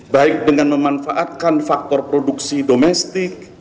baik dengan memanfaatkan faktor produksi domestik